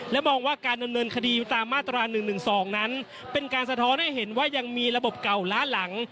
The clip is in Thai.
และมองว่าการดำเนินคดีตามมาตรา๑๑๒นั้นเป็นการสะท้อนให้เห็นว่ายังมีระบบเก่าล้าหลัง